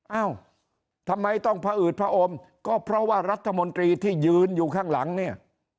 เอ้าทำไมต้องผอืดผอมก็เพราะว่ารัฐมนตรีที่ยืนอยู่ข้างหลังเนี่ย